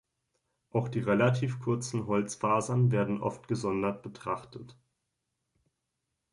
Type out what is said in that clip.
Auch die relativ kurzen Holzfasern werden oft gesondert betrachtet.